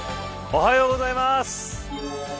おはようございます。